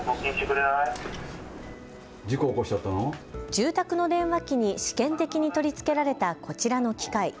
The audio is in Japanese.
住宅の電話機に試験的に取り付けられたこちらの機械。